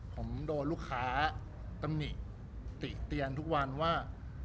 ผมโดนลูกค้าตำหนิติเตียนทุกวันว่า